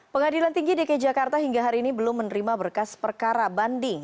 pengadilan tinggi dki jakarta hingga hari ini belum menerima berkas perkara banding